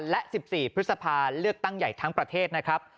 และ๑๔พฤษภาเลือกตั้งใหญ่ทั้งประเทศนะครับ